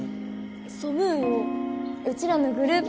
ソブーをうちらのグループ